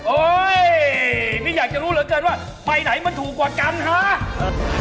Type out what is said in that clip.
พี่อยากจะรู้เหลือเกินว่าไปไหนมันถูกกว่ากันฮะ